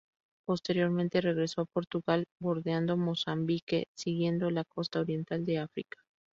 Posteriormente, regresó a Portugal bordeando Mozambique, siguiendo la costa oriental de África.